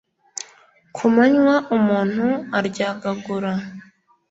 ku manywa umuntu aryagagura